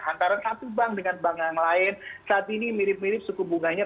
antara satu bank dengan bank yang lain saat ini mirip mirip suku bunganya